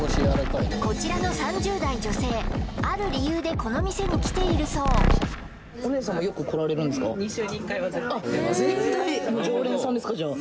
こちらの３０代女性ある理由でこの店に来ているそうあっ絶対常連さんですかじゃあ？